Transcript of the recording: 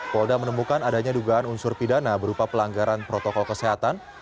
polda menemukan adanya dugaan unsur pidana berupa pelanggaran protokol kesehatan